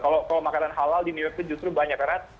kalau makanan halal di new york tuh justru banyak